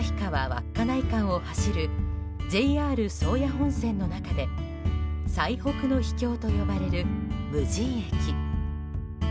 稚内間を走るＪＲ宗谷本線の中で最北の秘境と呼ばれる無人駅。